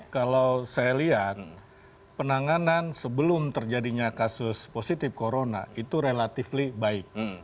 kalau saya lihat penanganan sebelum terjadinya kasus positif corona itu relatif baik